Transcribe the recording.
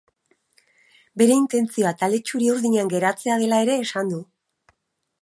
Bere intentzioa talde txuri-urdinean geratzea dela ere esan du.